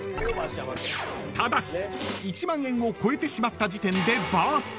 ［ただし１万円を超えてしまった時点でバースト］